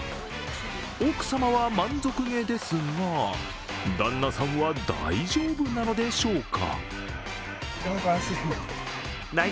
奥様は満足げですが旦那さんは大丈夫なのでしょうか？